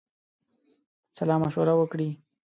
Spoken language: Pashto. سالامشوره وکړي.